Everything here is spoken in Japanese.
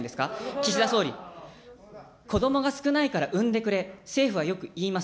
岸田総理、子どもが少ないから産んでくれ、政府はよく言います。